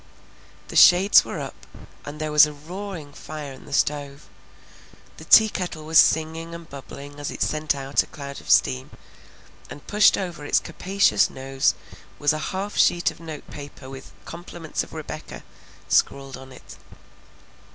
The shades were up, and there was a roaring fire in the stove; the teakettle was singing and bubbling as it sent out a cloud of steam, and pushed over its capacious nose was a half sheet of note paper with "Compliments of Rebecca" scrawled on it.